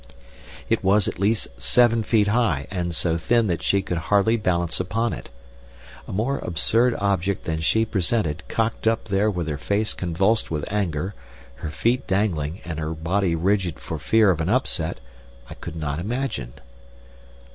It was at least seven feet high, and so thin that she could hardly balance upon it. A more absurd object than she presented cocked up there with her face convulsed with anger, her feet dangling, and her body rigid for fear of an upset, I could not imagine.